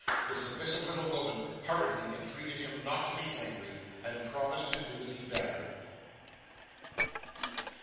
The submissive little woman hurriedly entreated him not to be angry, and promised to do as he bade her.